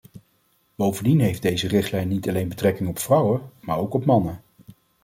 Bovendien heeft deze richtlijn niet alleen betrekking op vrouwen maar ook op mannen.